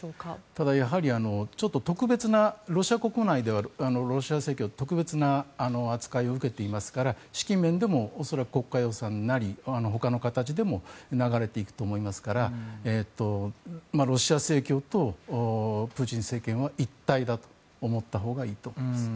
ただ、やはりロシア国内ではロシア正教会は特別な扱いを受けていますから資金面でも恐らく国家予算なりほかの形でも流れていくと思いますからロシア正教とプーチン政権は一体だと思ったほうがいいと思います。